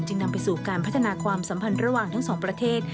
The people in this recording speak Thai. นำไปสู่การพัฒนาความสัมพันธ์ระหว่างทั้งสองประเทศ